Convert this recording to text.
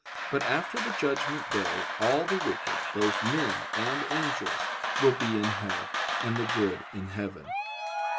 But after the judgment day all the wicked, both men and angels, will be in hell, and the good in heaven.